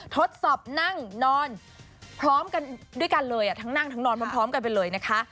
ทดสอบนั่งนอนพร้อมกันด้วยกันเลยทั้งนั่งทั้งนอนพร้อมกันไปเลยนะคะ